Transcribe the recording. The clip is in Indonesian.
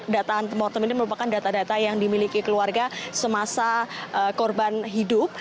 data antemortem ini merupakan data data yang dimiliki keluarga semasa korban hidup